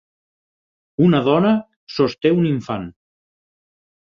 Una dona sosté un infant.